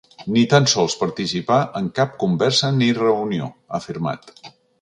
Ni tan sols participar en cap conversa ni reunió, ha afirmat.